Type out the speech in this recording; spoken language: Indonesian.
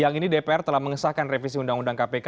kpk telah mengesahkan revisi undang undang kpk